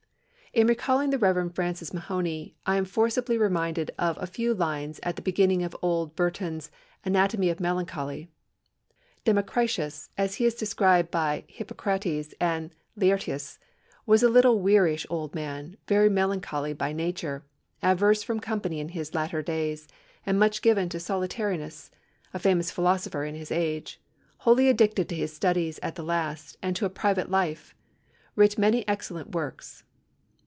] "In recalling the Rev. Francis Mahony, I am forcibly reminded of a few lines at the beginning of old Burton's Anatomy of Melancholy: 'Democritus, as he is described by Hippocrates, and Laërtius, was a little wearish old man, very melancholy by nature, averse from company in his latter dayes, and much given to solitariness, a famous philosopher in his age, ... wholly addicted to his studies at the last, and to a private life; writ many excellent workes.